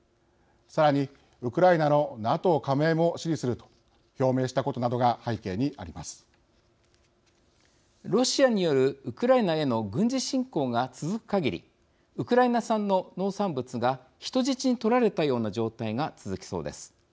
さらに、ウクライナのＮＡＴＯ加盟も支持すると表明したことなどがロシアによるウクライナへの軍事侵攻が続くかぎりウクライナ産の農産物が人質に取られたような状態が続きそうです。